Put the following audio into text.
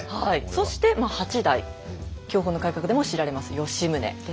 そして８代享保の改革でも知られます吉宗ですとか。